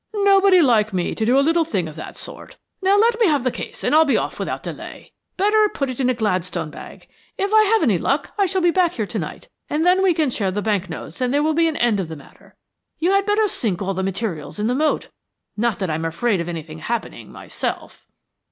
"Nobody like me to do a little thing of that sort. Now let me have the case and I'll be off without delay. Better put it in a Gladstone bag. If I have any luck I shall be back here to night, and then we can share the bank notes and there will be an end of the matter. You had better sink all the materials in the moat. Not that I am afraid of anything happening, myself."